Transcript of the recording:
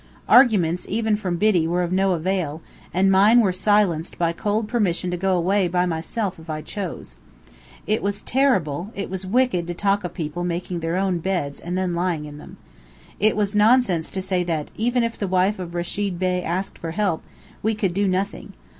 Arguments, even from Biddy, were of no avail, and mine were silenced by cold permission to go away by myself if I chose. It was terrible, it was wicked to talk of people making their own beds and then lying in them. It was nonsense to say that, even if the wife of Rechid Bey asked for help, we could do nothing.